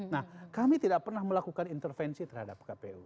nah kami tidak pernah melakukan intervensi terhadap kpu